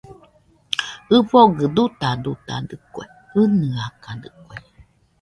ɨfogɨ dutadutadɨkue, ɨnɨakadɨkue